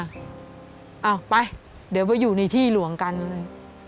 เอาไปเดี๋ยวไปอยู่ในที่หลวงกันเลย